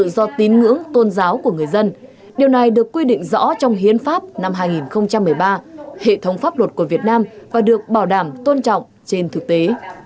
điều này được quy định rõ trong hiến pháp năm hai nghìn một mươi ba hệ thống pháp luật của việt nam và được bảo đảm tôn trọng trên thực tế